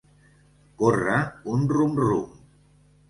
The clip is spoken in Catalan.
Córrer un rum-rum.